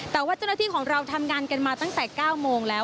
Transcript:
แต่ว่าเจ้าหน้าที่ของเราทำงานกันมาตั้งแต่๙โมงแล้ว